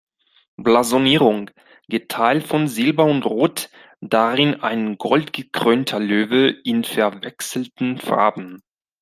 Blasonierung: „Geteilt von Silber und Rot, darin ein goldgekrönter Löwe in verwechselten Farben.